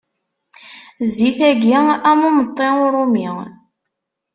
Zzit-agi, am umeṭṭi uṛumi.